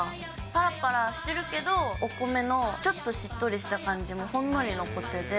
パラパラしてるけど、お米の、ちょっとしっとりした感じもほんのり残ってて。